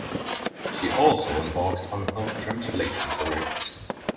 She also embarked on her translation career.